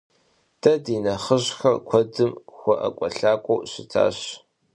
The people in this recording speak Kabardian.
Ди нэхъыжьхэр куэдым хуэӏэкӏуэлъакӏуэу щытащ.